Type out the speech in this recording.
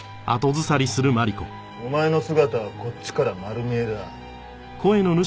お前の姿はこっちから丸見えだ。